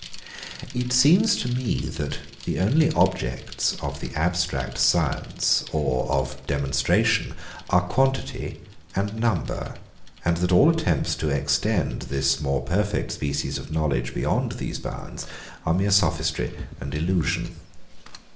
131. It seems to me, that the only objects of the abstract science or of demonstration are quantity and number, and that all attempts to extend this more perfect species of knowledge beyond these bounds are mere sophistry and illusion.